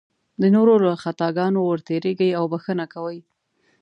د نورو له خطاګانو ورتېرېږي او بښنه کوي.